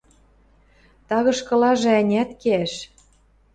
Тагышкылажы-ӓнят кеӓш.